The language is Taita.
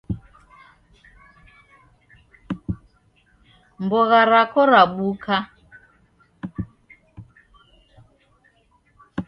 Mbogha rako rabuka?